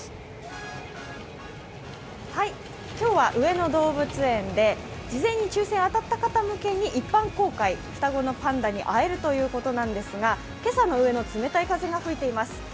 今日は上野動物園で事前に抽選が当たった方向けに一般公開、双子のパンダに会えるということなんですが、今朝の上野、冷たい風が吹いています。